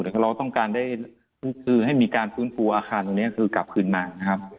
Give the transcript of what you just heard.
แต่เราต้องการได้คือให้มีการฟื้นฟูอาคารตรงนี้คือกลับคืนมานะครับ